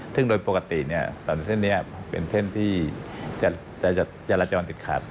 ซึ่งโดยปกติถนนเส้นนี้เป็นเส้นที่จะจราจรติดขัด